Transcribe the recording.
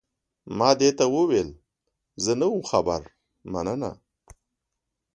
ما دې ته وویل، زه نه وم خبر، مننه.